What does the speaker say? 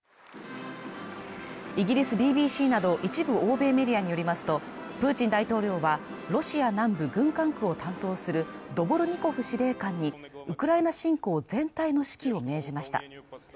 イギリスＢＢＣなど一部欧米メディアによりますとプーチン大統領はロシア南部軍管区を担当するドボルニコフ司令官にウクライナ侵攻全体の指揮を命じました